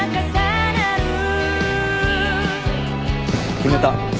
決めた。